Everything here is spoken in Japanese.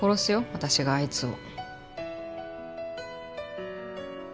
私があいつを。